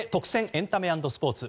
エンタメ＆スポーツ。